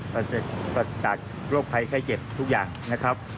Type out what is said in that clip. ประสิทธิ์ประสิทธิ์โรคไพรไข้เจ็บทุกอย่างนะครับ